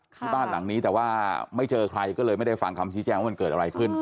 ที่บ้านหลังนี้แต่ว่าไม่เจอใครก็เลยไม่ได้ฟังคำชี้แจงว่ามันเกิดอะไรขึ้น